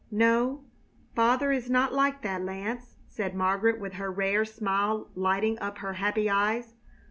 "No, father is not like that, Lance," said Margaret, with her rare smile lighting up her happy eyes.